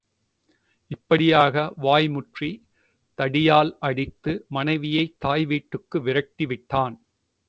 இப்படியாக வாய் முற்றி, தடியால் அடித்து, மனைவியைத் தாய் வீட்டுக்கு விரட்டிவிட்டான்.